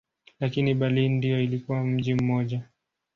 Lakini Berlin bado ilikuwa mji mmoja.